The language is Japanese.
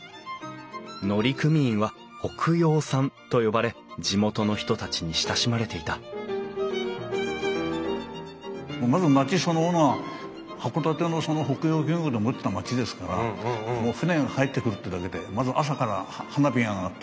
乗組員は「北洋さん」と呼ばれ地元の人たちに親しまれていたまず町そのものが函館のその北洋漁業でもってた町ですからもう船が入ってくるってだけでまず朝から花火が上がったり。